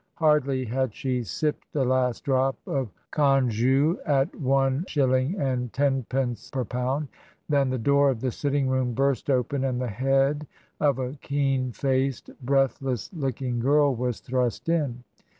Hardly had she sipped the last drop of Congou at one shilling and ten pence per pound, than the door of the sitting room burst open and the head of a keen faced, breathless looking girl was thrust in.